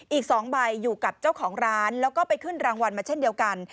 อีก๒ใบอยู่กับเจ้าของร้านแล้วก็ไปขึ้นรางวัลมาเช่นเดียวกัน